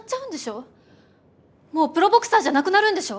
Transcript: もうプロボクサーじゃなくなるんでしょ